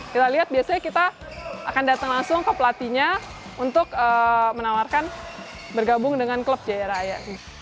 kita lihat biasanya kita akan datang langsung ke pelatihnya untuk menawarkan bergabung dengan klub jaya raya